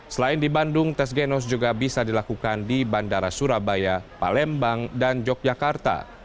selain di bandung tes genos juga bisa dilakukan di bandara surabaya palembang dan yogyakarta